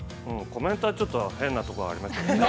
◆コメントはちょっと変なところありましたけどね。